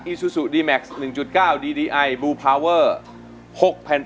อีซูซูดีแม็กซ์หนึ่งจุดเก้าดีดีไอบูพาเวอร์หกแผ่น